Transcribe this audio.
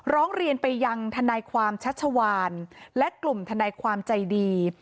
ร้องเรียนไปยังทนายความชัชวานและกลุ่มทนายความใจดี